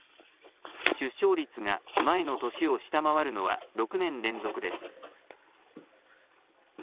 出生率が前の年を下回るのは６年連続です。